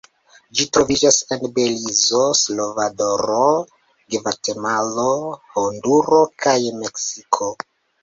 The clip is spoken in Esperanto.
Ĝi troviĝas en Belizo, Salvadoro, Gvatemalo, Honduro kaj Meksiko.